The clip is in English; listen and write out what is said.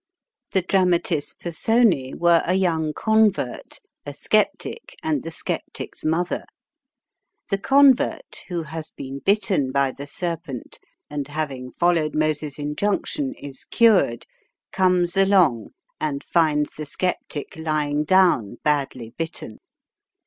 The dramatis personae were a Young Convert, a Sceptic, and the Sceptic's Mother. The convert, who has been bitten by the serpent, and, having followed Moses' injunction, is cured, "comes along" and finds the sceptic lying down "badly bitten."